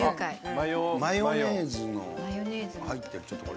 マヨネーズの入ってる、これ。